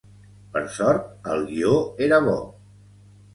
Per sort el guió era bo.